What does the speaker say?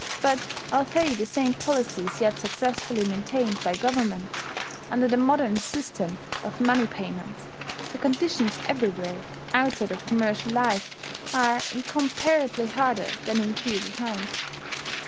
But although the same policy is yet successfully maintained by Government, under the modern system of money payments, the conditions everywhere, outside of commercial life, are incomparably harder than in feudal times.